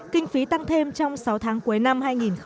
kinh phí tăng thêm trong sáu tháng cuối năm hai nghìn hai mươi